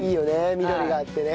緑があってね。